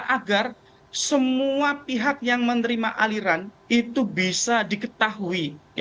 agar semua pihak yang menerima aliran itu bisa diketahui